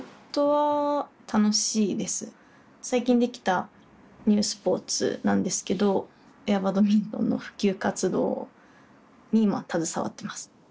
最近できたニュースポーツなんですけどエアバドミントンの普及活動に今携わってます。